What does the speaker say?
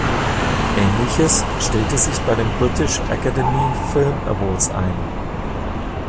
Ähnliches stellte sich bei den British Academy Film Awards ein.